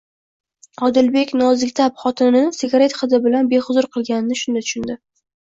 Odilbek nozikta'b xotinini sigaret hidi bilan behuzur qilganini shunda tushundi.